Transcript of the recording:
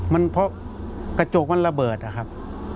มันเพราะกระจกมันระเบิดอะครับ